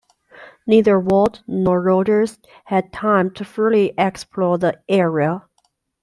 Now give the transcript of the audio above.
Neither Ward nor Rogers had time to fully explore the area.